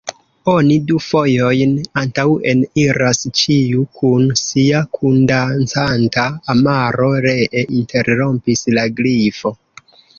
"Oni du fojojn antaŭen iras, ĉiu kun sia kundancanta omaro," ree interrompis la Grifo.